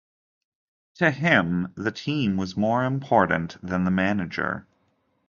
To him, the team was more important than the manager.